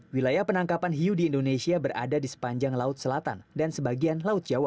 wilayah penangkapan hiu di indonesia berada di sepanjang laut selatan dan sebagian laut jawa